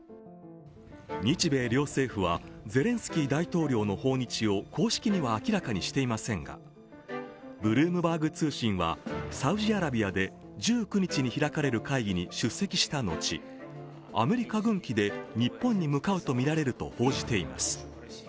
日米両政府はゼレンスキー大統領の訪日を公式には明らかにしていませんがブルームバーグ通信はサウジアラビアで１９日に開かれる会議に出席した後、アメリカ軍機で日本に向かうとみられると報じています。